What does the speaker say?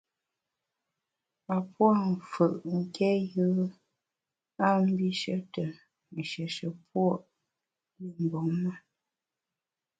A pua’ mfù’ nké yùe a mbishe te nshieshe puo’ li mgbom me.